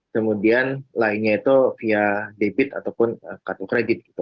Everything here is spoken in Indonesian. kemudian lainnya itu via debit ataupun kartu kredit gitu